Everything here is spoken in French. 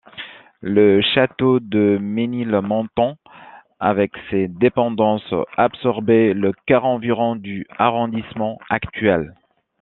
Le château de Ménilmontant, avec ses dépendances, absorbait le quart environ du arrondissement actuel.